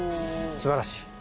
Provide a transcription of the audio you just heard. すばらしい。